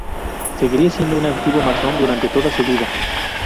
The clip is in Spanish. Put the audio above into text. Seguiría siendo un activo masón durante toda su vida.